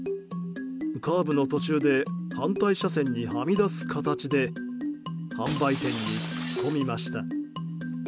カーブの途中で反対車線にはみ出す形で販売店に突っ込みました。